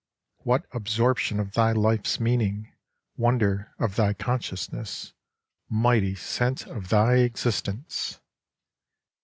What absorption of thy life's meaning. Wonder of thy consciousness, — Mighty sense of thy existence